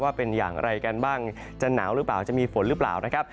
ว่าเป็นอย่างไรกันบ้างจะหนาวหรือเปล่าจะมีฝนหรือเปล่านะครับ